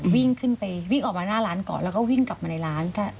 วิ่งขึ้นไปวิ่งออกมาหน้าร้านก่อนแล้วก็วิ่งกลับมาในร้าน